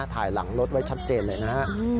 ท้ายหลังรถไว้ชัดเจนเลยนะ